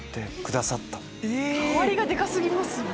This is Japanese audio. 代わりがでか過ぎますよね。